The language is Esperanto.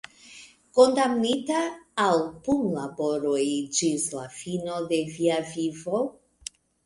Kondamnita al punlaboroj ĝis la fino de via vivo?